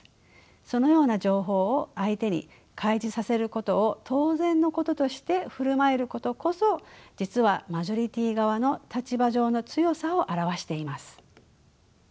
そのような情報を相手に開示させることを当然のこととして振る舞えることこそ実はマジョリティー側の立場上の強さを表しています。